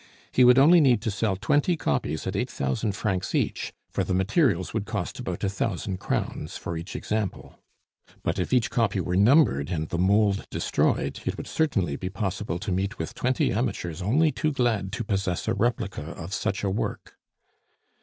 "He would only need to sell twenty copies at eight thousand francs each for the materials would cost about a thousand crowns for each example. But if each copy were numbered and the mould destroyed, it would certainly be possible to meet with twenty amateurs only too glad to possess a replica of such a work."